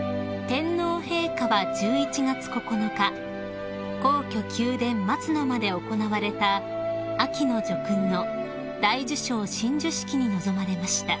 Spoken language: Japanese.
［天皇陛下は１１月９日皇居宮殿松の間で行われた秋の叙勲の大綬章親授式に臨まれました］